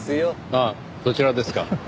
ああそちらですか。